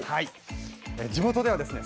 地元ではですね